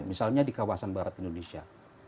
misalnya di kawasan barat indonesia